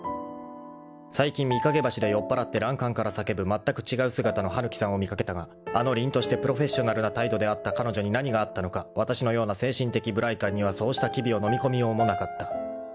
［最近御蔭橋で酔っぱらって欄干から叫ぶまったく違う姿の羽貫さんを見掛けたがあの凛としてプロフェッショナルな態度であった彼女に何があったのかわたしのような精神的無頼漢にはそうした機微をのみ込みようもなかった］